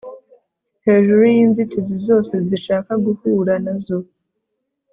hejuru y'inzitizi zose zishaka guhura nazo